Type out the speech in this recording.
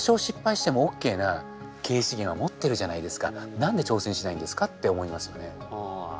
何で挑戦しないんですかって思いますよね。